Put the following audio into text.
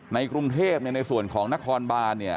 ในกรุงเทพฯในส่วนของนครบาล